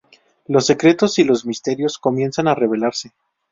Los secretos y los misterios comienzan a revelarse.